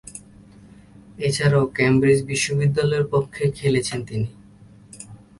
এছাড়াও, কেমব্রিজ বিশ্ববিদ্যালয়ের পক্ষে খেলেছেন তিনি।